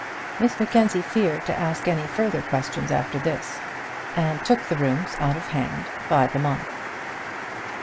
Miss Mackenzie feared to ask any further questions after this, and took the rooms out of hand by the month.